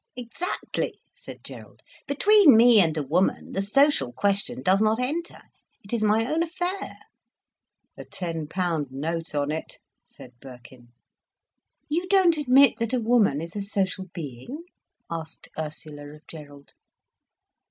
"Exactly," said Gerald. "Between me and a woman, the social question does not enter. It is my own affair." "A ten pound note on it," said Birkin. "You don't admit that a woman is a social being?" asked Ursula of Gerald.